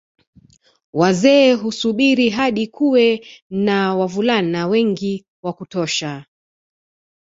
Wazee husubiri hadi kuwe na wavulana wengi wa kutosha